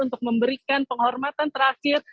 untuk memberikan penghormatan terakhir